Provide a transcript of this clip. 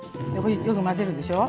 よく混ぜるでしょ。